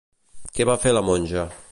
Què va fer la monja?